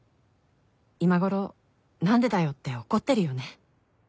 「今頃なんでだよって怒ってるよね」